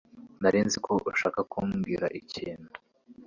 Nari nzi ko ushaka kumbwira ikintu.